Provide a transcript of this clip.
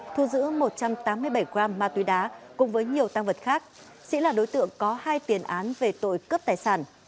thu giữ một trăm tám mươi bảy gram ma túy đá cùng với nhiều tăng vật khác sĩ là đối tượng có hai tiền án về tội cướp tài sản